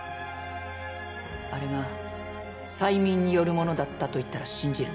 あれが催眠によるものだったと言ったら信じる？